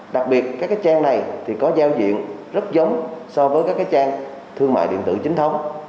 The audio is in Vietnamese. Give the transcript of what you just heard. đặc biệt các trang này thì có giao diện rất giống so với các trang thương mại điện tử chính thống